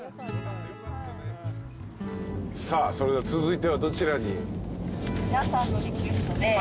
さあそれでは続いてはどちらに。